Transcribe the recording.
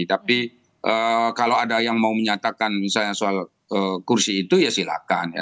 tapi kalau ada yang mau menyatakan misalnya soal kursi itu ya silakan ya